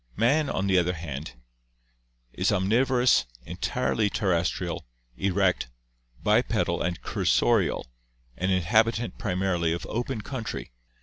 Man, on the other hand, is omnivo rous, entirely terrestrial, erect, bipedal and cursorial, an inhabitant primarily of open country.